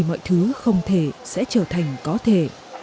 mọi thứ không thể sẽ trở thành có thể